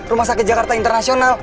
rumah sakit jakarta internasional